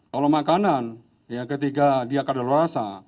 kalau makanan ketika dia kada rasa